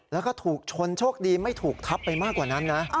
แล้วก็ถูกชนโชคดีไม่ถูกทับไปมากกว่านั้นนะ